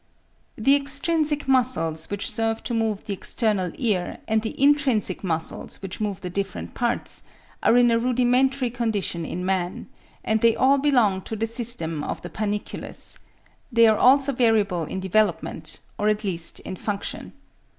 The extrinsic muscles which serve to move the external ear, and the intrinsic muscles which move the different parts, are in a rudimentary condition in man, and they all belong to the system of the panniculus; they are also variable in development, or at least in function.